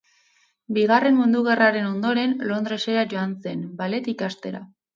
Bigarren Mundu Gerraren ondoren, Londresera joan zen, ballet ikastera.